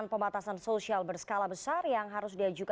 pembatasan sosial berskala besar